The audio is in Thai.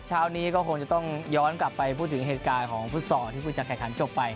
เช้านี้ก็คงจะต้องย้อนกลับไปพูดถึงเหตุการณ์ของฟุตซอลที่ผู้จัดแข่งขันจบไป